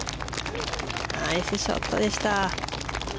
ナイスショットでした。